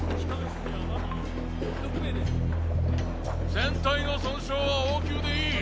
船体の損傷は応急でいい。